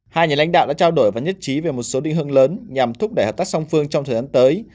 hai nhà lãnh đạo đã trao đổi và nhất trí về một số định hướng lớn nhằm thúc đẩy hợp tác song phương trong thời gian tới